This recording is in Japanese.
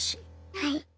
はい。